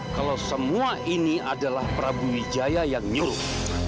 kalau semua ini adalah prabu wijaya yang nyuruh